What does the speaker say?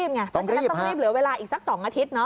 เพราะฉะนั้นต้องรีบเหลือเวลาอีกสัก๒อาทิตย์